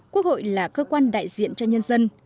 quốc hội là cơ quan đại diện cho nhân dân